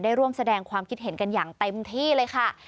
ร่วมแสดงความคิดเห็นกันอย่างเต็มที่เลยค่ะ